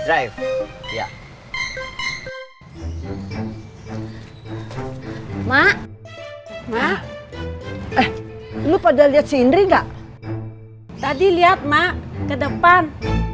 drive ya mak mak eh lu pada lihat sendiri enggak tadi lihat mak ke depan